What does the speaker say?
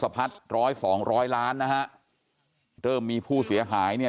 เพิ่มมีผู้เสียหายเนี่ย